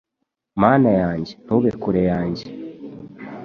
Mana yanjye ntube kure yanjye